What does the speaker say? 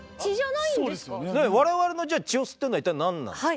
我々の血を吸ってるのは一体何なんですか？